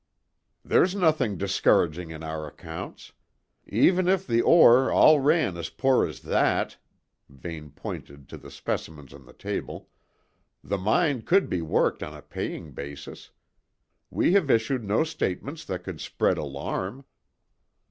"There's nothing discouraging in our accounts. Even if the ore all ran as poor as that" Vane pointed to the specimens on the table "the mine could be worked on a paying basis. We have issued no statements that could spread alarm."